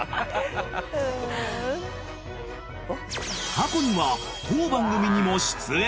［過去には当番組にも出演］